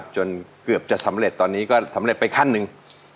จนเกือบจะสำเร็จตอนนี้ก็สำเร็จไปขั้นหนึ่ง